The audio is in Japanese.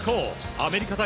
アメリカ対